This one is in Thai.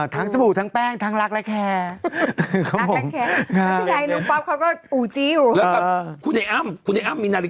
สบู่ทั้งแป้งทั้งรักและแคร์